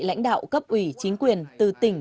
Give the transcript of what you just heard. lãnh đạo cấp ủy chính quyền từ tỉnh